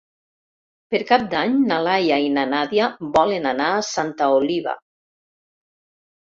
Per Cap d'Any na Laia i na Nàdia volen anar a Santa Oliva.